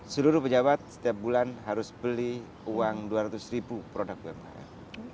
seluruh pejabat setiap bulan harus beli uang dua ratus ribu produk umkm